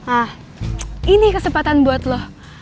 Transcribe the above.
ah ini kesempatan buat lo